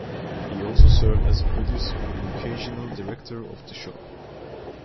He also served as a producer and occasional director of the show.